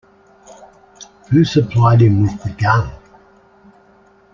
Who supplied him with the gun?